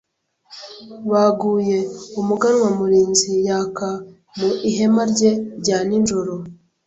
Baguye Umuganwa Murinzi yaka mu ihema rye rya nijoro